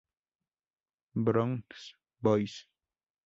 Brown's Boys".